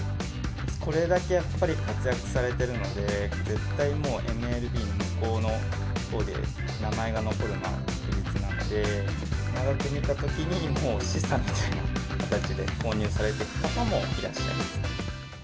これだけやっぱり活躍されてるので、絶対もう、ＭＬＢ、向こうのほうで名前が残るのは確実なので、長く見たときに、もう資産という形で購入されていく方もいらっしゃいますね。